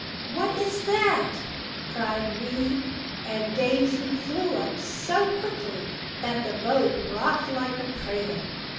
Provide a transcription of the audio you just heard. "What is that?" cried Wee; and Daisy flew up so quickly that the boat rocked like a cradle.